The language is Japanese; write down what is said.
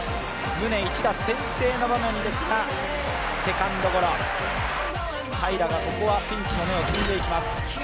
宗、一打先制の場面ですがセカンドゴロ、平良がここはピンチの芽を摘んでいきます。